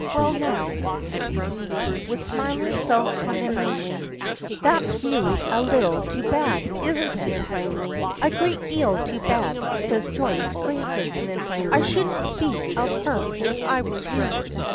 well now," with smiling self condemnation, "that's really a little too bad; isn't it?" "A great deal too bad," says Joyce, gravely. "I shouldn't speak of her if I were you."